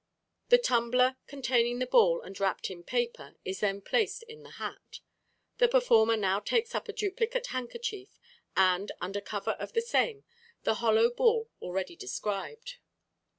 The tumbler containing the ball and wrapped in paper is then placed in the hat. The performer now takes up a duplicate handkerchief, and, under cover of the same, the hollow ball already described.